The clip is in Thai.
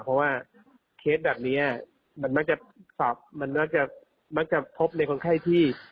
เพราะว่าเคสแบบนี้มันมักจะสอบมันมักจะมักจะพบในคนไข้ที่